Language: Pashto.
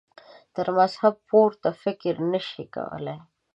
تر مذهب پورته فکر نه شي کولای.